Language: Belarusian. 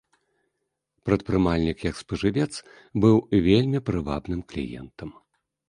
Прадпрымальнік як спажывец быў вельмі прывабным кліентам.